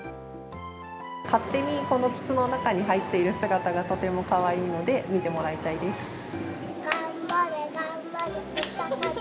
勝手にこの筒の中に入っている姿がとてもかわいいので、頑張れ、頑張れ、お魚頑張れ。